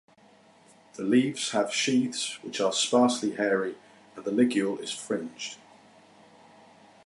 The leaves have sheathes which are sparsely hairy and the ligule is fringed.